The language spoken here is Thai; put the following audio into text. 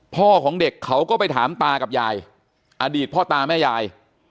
พ่อของเด็กเขาก็ไปถามตากับยายอดีตพ่อตาแม่ยาย